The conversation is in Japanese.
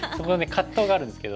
葛藤があるんですけど。